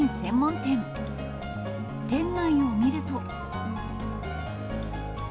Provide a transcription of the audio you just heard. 店内を見ると。